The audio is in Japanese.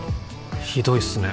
ひどいっすね